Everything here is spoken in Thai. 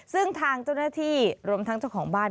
ซึ่งทางเจ้าหน้าที่รวมทั้งเจ้าของบ้าน